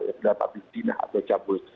yang terdapat di dinah atau cabut